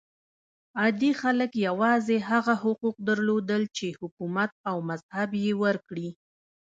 عادي خلک یوازې هغه حقوق درلودل چې حکومت او مذهب یې ورکړي.